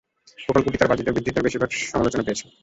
প্রকল্পটি তার বাজেট বৃদ্ধির জন্য বেশিরভাগ সমালোচনা পেয়েছে।